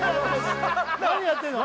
何やってんの？